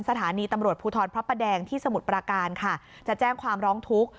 สถานีตำรวจภูทรพระประแดงที่สมุทรปราการค่ะจะแจ้งความร้องทุกข์